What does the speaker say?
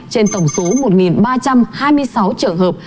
trên tổng số một ba trăm hai mươi sáu trường hợp